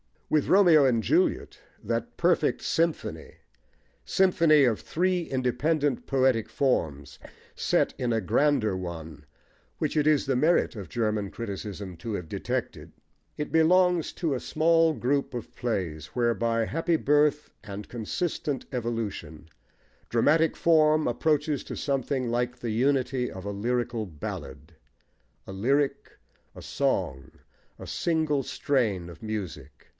With Romeo and Juliet, that perfect symphony (symphony of three independent poetic forms set in a grander one* which it is the merit of German criticism to have detected) it belongs to a small group of plays, where, by happy birth and consistent evolution, dramatic form approaches to something like the unity of a lyrical ballad, a lyric, a song, a single strain of music.